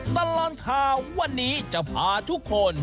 ตลอดข่าววันนี้จะพาทุกคน